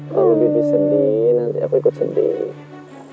kalau bibi sedih nanti aku ikut sedih